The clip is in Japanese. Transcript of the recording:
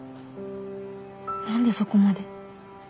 何でそこまで